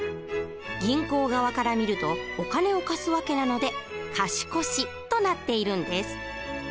銀行側から見るとお金を貸す訳なので「貸越」となっているんです。